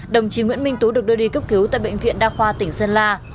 đồng chí nguyễn minh tú được đưa đi cấp cứu tại bệnh viện đa khoa tỉnh sơn la